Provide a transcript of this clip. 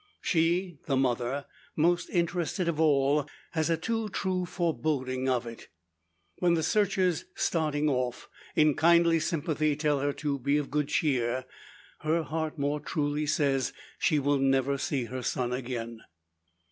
She, the mother, most interested of all, has a too true foreboding of it. When the searchers, starting off, in kindly sympathy tell her to be of good cheer, her heart more truly says, she will never see her son again.